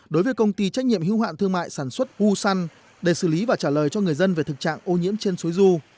đối với công ty trách nhiệm hưu hạn thương mại sản xuất gu săn để xử lý và trả lời cho người dân về thực trạng ô nhiễm trên suối du